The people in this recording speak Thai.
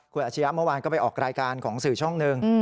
คุณอาชียะเมื่อวานก็ไปออกรายการของสื่อช่องหนึ่ง